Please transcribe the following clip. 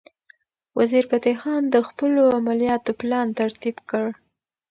وزیرفتح خان د خپلو عملیاتو پلان ترتیب کړ.